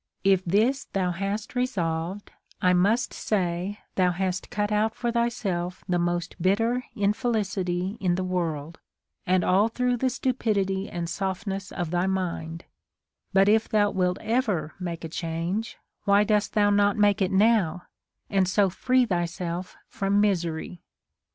If this thou hast resolved, I must say thou hast cut out for thyself the most bitter infelicity in the world, and all through the stupidity and softness of thy mind ; but if thou wilt ever make a change, why dost thou not make it now, and so free thyself from misery